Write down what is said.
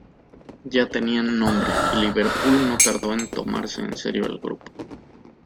Ya tenían nombre, y Liverpool no tardó en tomarse en serio al grupo.